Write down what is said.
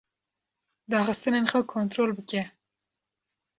Daxistinên xwe kontol bike.